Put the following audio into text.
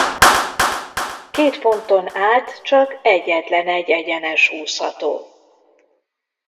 Két ponton át csak egyetlenegy egyenes húzható.